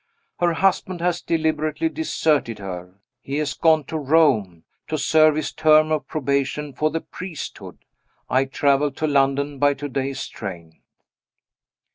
Her husband has deliberately deserted her. He has gone to Rome, to serve his term of probation for the priesthood. I travel to London by to day's train.